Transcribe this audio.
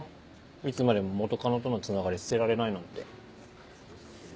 いつまでも元カノとのつながり捨てられないなんて。